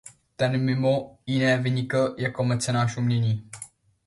Ten mimo jiné vynikl jako mecenáš umění.